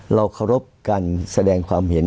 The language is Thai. เราเคารพการแสดงความเห็น